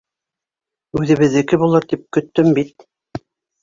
- Үҙебеҙҙеке булыр тип көттөм бит...